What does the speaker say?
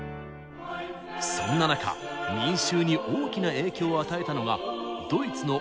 そんな中民衆に大きな影響を与えたのがドイツのマルティン・ルター。